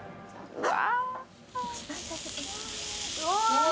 うわ。